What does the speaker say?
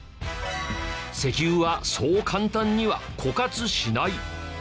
石油はそう簡単には枯渇しない。